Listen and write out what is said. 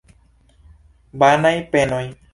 Vanaj penoj!